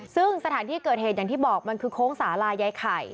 ซึ่งสถานที่เกิดเหตุอย่างที่บอกมันคือโค้งสาลายายไข่